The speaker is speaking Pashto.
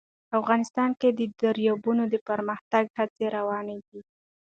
افغانستان کې د دریابونه د پرمختګ هڅې روانې دي.